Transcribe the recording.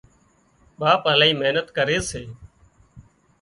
ٻاپ الاهي محنت ڪري سي